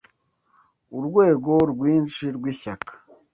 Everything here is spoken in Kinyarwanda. urwego rwinshi rwishyaka